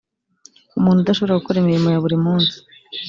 umuntu udashobora gukora imirimo ya buri munsi